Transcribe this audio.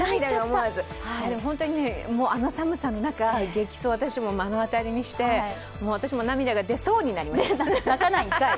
あの寒さの中、激走を私も目の当たりにして、私も涙が出そうになりました。